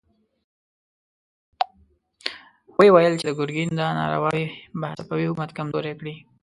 ويې ويل چې د ګرګين دا نارواوې به صفوي حکومت کمزوری کړي.